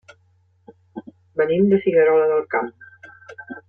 Venim de Figuerola del Camp.